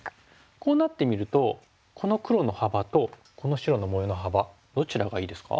こうなってみるとこの黒の幅とこの白の模様の幅どちらがいいですか？